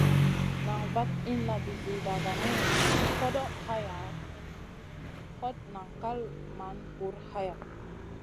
Nan vaɗ inna vi zida vanu, koɗoʼ hayaʼa, hot nan kal man bur haya.